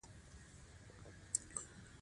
ډبرې د ستونزو پر مهال مرسته کوي.